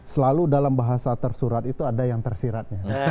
selalu dalam bahasa tersurat itu ada yang tersiratnya